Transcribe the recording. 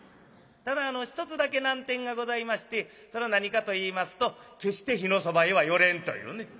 ただあの１つだけ難点がございましてそれは何かといいますと決して火のそばへは寄れんというね。